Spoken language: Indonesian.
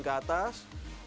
tangan ke atas